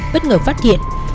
bất ngờ phát hiện